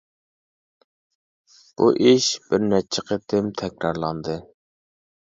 بۇ ئىش بىر نەچچە قېتىم تەكرارلاندى.